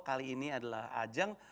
kali ini adalah ajeng